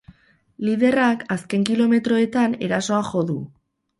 Liderrak azken kilometroetan erasoa jo du.